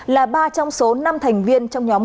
là ba trong số năm thành viên trong nhóm